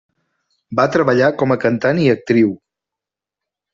Va treballar com a cantant i actriu.